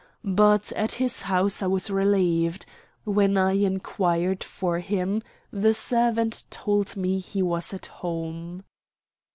But at his house I was relieved. When I inquired for him, the servant told me he was at home.